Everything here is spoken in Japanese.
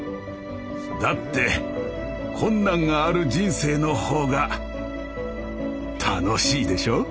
だって困難がある人生の方が楽しいでしょ？